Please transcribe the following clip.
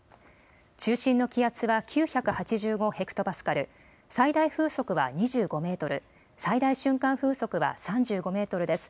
中心の気圧は９８５ヘクトパスカル、最大風速は２５メートル、最大瞬間風速は３５メートルです。